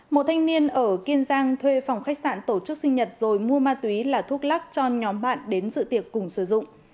một thanh niên ở kiên giang thuê phòng khách sạn tổ chức sinh nhật rồi mua ma túy là thuốc lắc cho nhóm bạn đến dự tiệc cùng sử dụng